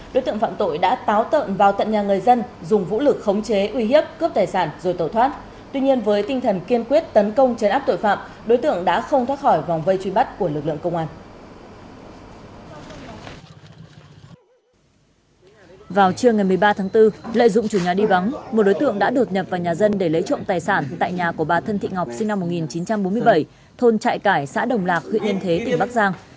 đối tượng đã đột nhập vào nhà dân để lấy trộm tài sản tại nhà của bà thân thị ngọc sinh năm một nghìn chín trăm bốn mươi bảy thôn trại cải xã đồng lạc huyện yên thế tỉnh bắc giang